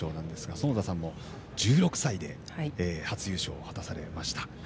園田さんも１６歳で初優勝を果たされました。